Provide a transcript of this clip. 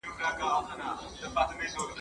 افغانانو خپل سرونه پر میدان ایښي دي.